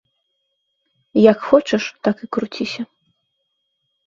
Як хочаш, так і круціся.